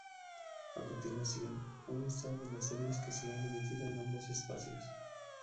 A continuación, un listado de las series que se han emitido en ambos espacios.